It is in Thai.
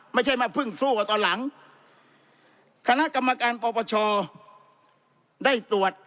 ไม่ใช่มาพึ่งสู้กับตอนหลังคณะกรรมการปปชได้ตรวจ